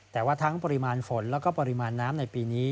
แต่ว่าทั้งปริมาณฝนแล้วก็ปริมาณน้ำในปีนี้